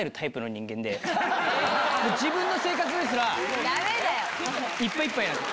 自分の生活ですらいっぱいいっぱいなんです。